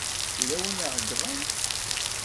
Yella win i iɛeyyḍen.